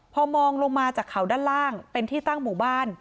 พอมองลงมาจากเขาด้านล่างเป็นที่ตั้งหมู่บ้าน